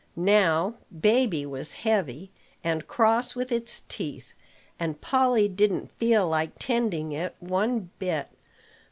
Now, baby was heavy, and cross with its teeth; and Polly didn't feel like tending it one bit.